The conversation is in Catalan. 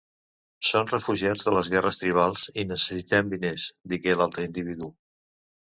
"Son refugiats de les guerres tribals i necessitem diners", digué l'altre individu.